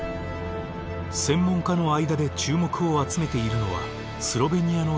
専門家の間で注目を集めているのはスロベニアの洞窟群。